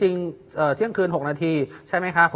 เล็กเล็กเล็กเล็กเล็ก